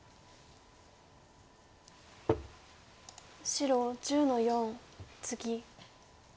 白１０の四ツギ。